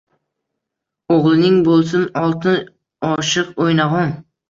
O’g’ling bo’lsin oltin oshiq o’ynag’on